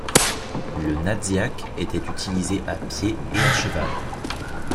Le nadziak était utilisé à pied et à cheval.